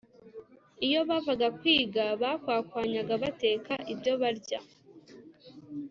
iyo bavaga kwiga bakwakwanyaga bateka ibyo barya